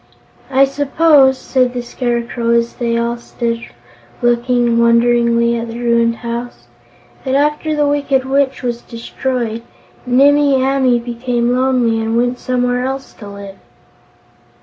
"I suppose," said the Scarecrow, as they all stood looking wonderingly at the ruined house, "that after the Wicked Witch was destroyed, Nimmie Amee became lonely and went somewhere else to live."